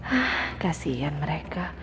ah kasihan mereka